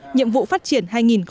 nhiệm vụ phát triển hai nghìn hai mươi